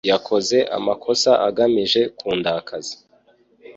Yakoze amakosa agamije kundakaza.